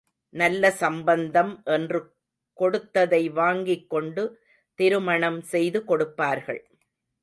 நல்ல சம்பந்தம் என்று கொடுத்ததை வாங்கிக் கொண்டு திருமணம் செய்து கொடுப்பார்கள்.